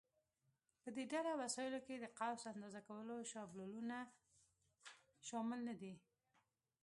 په دې ډله وسایلو کې د قوس اندازه کولو شابلونونه شامل نه دي.